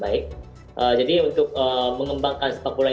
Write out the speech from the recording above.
saya juga menarik dari thailand